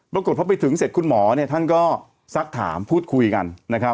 ปรากฏพิถึงช่วยคุณหมอเนี่ยท่านก็ซักถามพูดคุยกัน